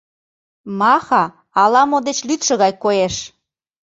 Маха ала-мо деч лӱдшӧ гай коеш.